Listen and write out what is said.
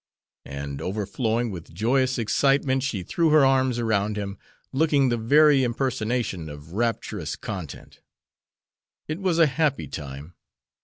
And overflowing with joyous excitement she threw her arms around him, looking the very impersonation of rapturous content. It was a happy time.